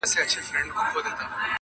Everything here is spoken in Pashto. همېشه ورسره تلله په ښكارونو.!